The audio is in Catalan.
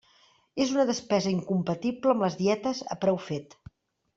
És una despesa incompatible amb les dietes a preu fet.